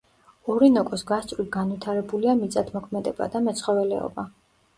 ორინოკოს გასწვრივ განვითარებულია მიწათმოქმედება და მეცხოველეობა.